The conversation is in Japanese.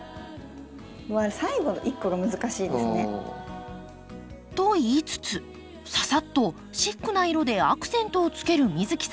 最後の一個が難しいですね。と言いつつささっとシックな色でアクセントをつける美月さん。